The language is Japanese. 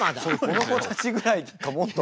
この子たちぐらいかもっと。